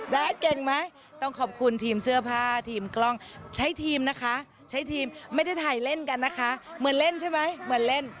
เก่งไหมต้องขอบคุณทีมเสื้อผ้าทีมกล้องใช้ทีมนะคะใช้ทีมไม่ได้ถ่ายเล่นกันนะคะเหมือนเล่นใช่ไหมเหมือนเล่น